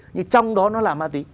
nhưng trong đó nó là ma túy